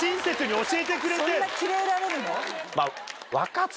そんなキレられるの？